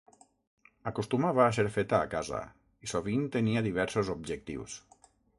Acostumava a ser feta a casa, i sovint tenia diversos objectius.